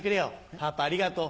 「パパありがとう」